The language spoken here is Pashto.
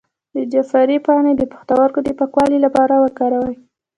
د جعفری پاڼې د پښتورګو د پاکوالي لپاره وکاروئ